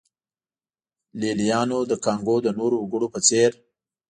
لېلیانو د کانګو د نورو وګړو په څېر.